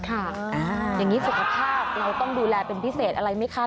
อย่างนี้สุขภาพเราต้องดูแลเป็นพิเศษอะไรไหมคะ